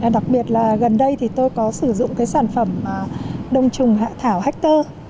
đặc biệt là gần đây thì tôi có sử dụng sản phẩm đồng trùng hạ thảo hector